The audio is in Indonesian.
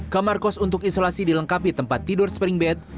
kamar kos untuk isolasi dilengkapi tempat tidur spring bed